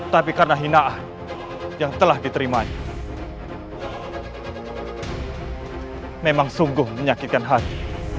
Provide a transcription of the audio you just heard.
tapi karena hinaah yang telah diterimanya memang sungguh menyakitkan hati